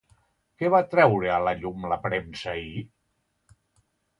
Què va treure a la llum la premsa ahir?